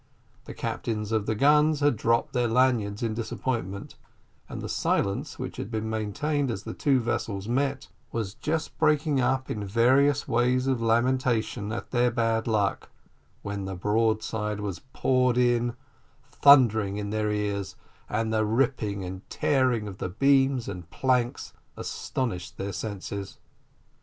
The captains of the guns had dropped their lanyards in disappointment, and the silence which had been maintained as the two vessels met was just breaking up in various ways of lamentation at their bad luck, when the broadside was poured in, thundering in their ears, and the ripping and tearing of the beams and planks astonished their senses.